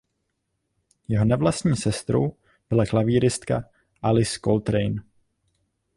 Jeho nevlastní sestrou byla klavíristka Alice Coltrane.